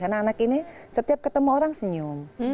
karena anak ini setiap ketemu orang senyum